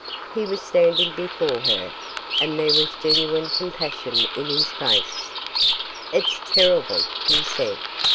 He was standing before her, and there was genuine compassion in his face. "It's terrible," he said.